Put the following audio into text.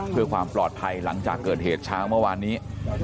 เพื่อความปลอดภัยหลังจากเกิดเหตุเช้าเมื่อวานนี้